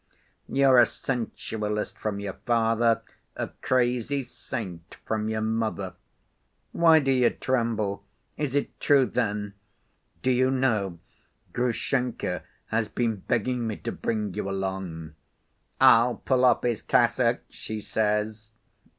You're a sensualist from your father, a crazy saint from your mother. Why do you tremble? Is it true, then? Do you know, Grushenka has been begging me to bring you along. 'I'll pull off his cassock,' she says.